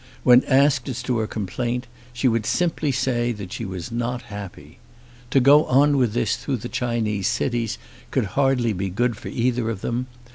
When asked as to her complaint she would simply say that she was not happy. To go on with this through the Chinese cities could hardly be good for either of them.